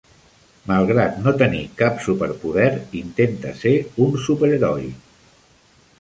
Malgrat no tenir cap super-poder, intenta ser un superheroi.